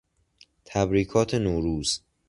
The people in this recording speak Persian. تبریکات نوروز